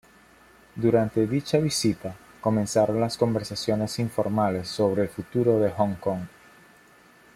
Durante dicha visita, comenzaron las conversaciones informales sobre el futuro de Hong Kong.